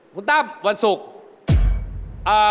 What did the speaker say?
คุณตั้มวันศุกร์